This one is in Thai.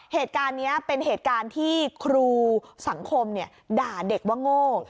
เหตุการณ์นี้เป็นเหตุการณ์ที่ครูสังคมด่าเด็กว่าโง่